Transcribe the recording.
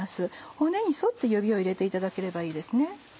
骨に沿って指を入れていただければいいです。